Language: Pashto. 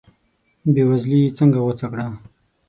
بې وزلي یې څنګه غوڅه کړه.